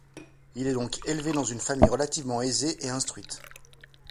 Il est donc élevé dans une famille relativement aisée et instruite.